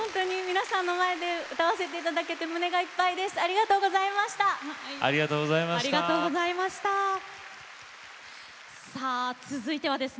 皆さんの前で歌わせていただいて、胸がいっぱいです。